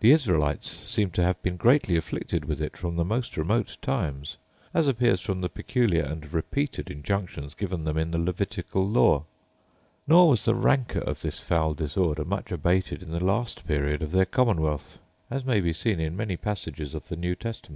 The Israelites seem to have been greatly afflicted with it from the most remote times; as appears from the peculiar and repeated injunctions given them in the Levitical law.* Nor was the rancour of this foul disorder much abated in the last period of their commonwealth, as may be seen in many passages of the New Testament. * See Leviticus, chap.